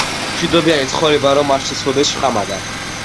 მშვიდობიანი ცხოვრება რომ არ შეცვლოდეს შხამადა